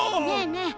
ねえね